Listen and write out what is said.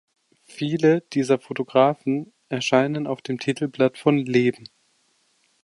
Viele dieser Fotografen erschienen auf dem Titelblatt von „Leben“.